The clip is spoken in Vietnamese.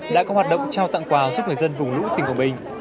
đã có hoạt động trao tặng quà giúp người dân vùng lũ tỉnh quảng bình